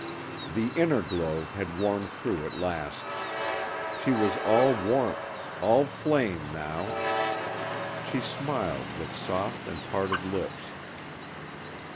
The inner glow had worn through at last. She was all warmth, all flame now. She smiled with soft and parted lips.